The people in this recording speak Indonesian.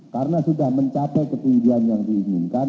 karena sudah mencapai ketinggian yang diinginkan